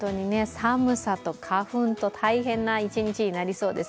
寒さと花粉と大変な一日になりそうです。